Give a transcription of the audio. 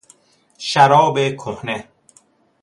شراب کهنه